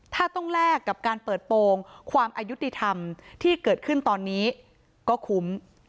ถ้าต้องแลกกับการเปิดโปรงความอายุติธรรมที่เกิดขึ้นตอนนี้ก็คุ้ม